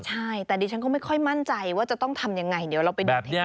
ใช่แต่ดิฉันก็ไม่ค่อยมั่นใจว่าจะต้องทำยังไงเดี๋ยวเราไปดูเหตุการณ์